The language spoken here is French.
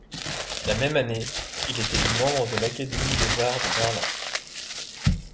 La même année, il est élu membre de l'Académie des arts de Berlin.